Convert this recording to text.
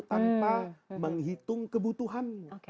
tanpa menghitung kebutuhannya